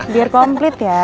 biar komplit ya